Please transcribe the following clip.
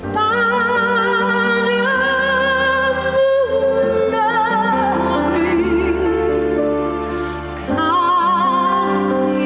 pada munagri kami berjanji